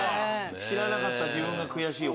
知らなかった自分が悔しい。